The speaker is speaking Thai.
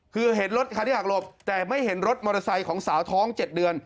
คือเห็นรถคันที่หักหลบแต่ไม่เห็นรถมอเตอร์ไซค์ของสาวท้อง๗เดือน